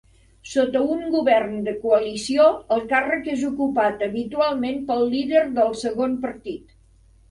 Sota un govern de coalició el càrrec és ocupat habitualment pel líder del segon partit.